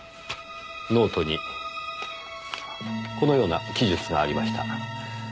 ノートにこのような記述がありました。